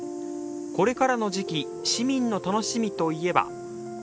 これからの時期市民の楽しみといえば。